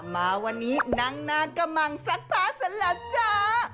มาวันนี้นางนากระบังสักพักสักแล้วจ้า